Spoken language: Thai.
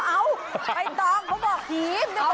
เอาไปต้องเขาบอกทีมไม่ต้องบอกคุณ